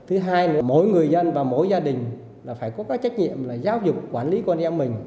thứ hai nữa mỗi người dân và mỗi gia đình là phải có cái trách nhiệm là giáo dục quản lý con em mình